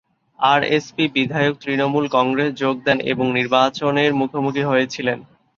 RSP বিধায়ক তৃণমূল কংগ্রেস যোগ দেন এবং নির্বাচনের মুখোমুখি হয়েছিল।